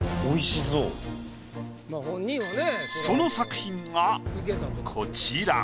その作品がこちら。